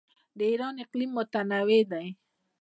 د ایران اقلیم متنوع دی.